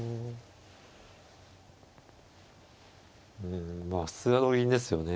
うんまあ普通は同銀ですよね。